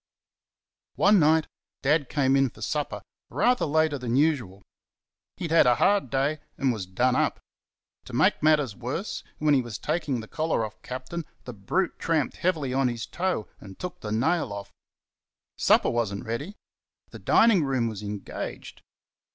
One night Dad came in for supper rather later than usual. He'd had a hard day, and was done up. To make matters worse, when he was taking the collar off Captain the brute tramped heavily on his toe, and took the nail off. Supper was n't ready. The dining room was engaged.